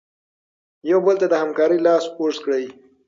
یو بل ته د همکارۍ لاس اوږد کړئ.